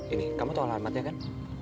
ini kamu tahu alamatnya kan